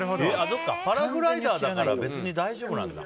パラグライダーだから別に大丈夫なんだ。